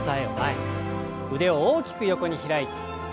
腕を大きく横に開いて。